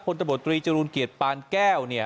ผลตำรวจตรีจรูนเกียรติปานแก้วเนี่ย